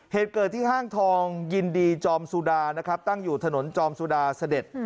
เหตุเกิดที่ห้างทองยินดีจอมสุดานะครับตั้งอยู่ถนนจอมสุดาเสด็จ